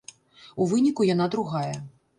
У выніку яна другая.